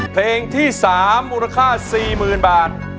เพลงที่๓มูลค่า๔๐๐๐บาท